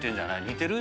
似てる？